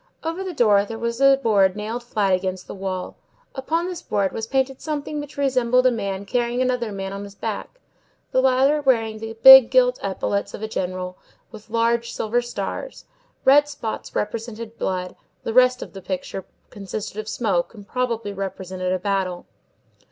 Over the door there was a board nailed flat against the wall. Upon this board was painted something which resembled a man carrying another man on his back, the latter wearing the big gilt epaulettes of a general, with large silver stars; red spots represented blood; the rest of the picture consisted of smoke, and probably represented a battle.